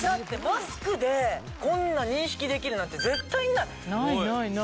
マスクでこんな認識できるなんて絶対にない。